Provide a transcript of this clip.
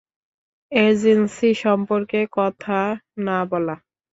Agency সম্পর্কে কথা না বলা।